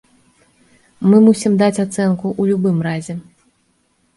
Мы мусім даць ацэнку ў любым разе.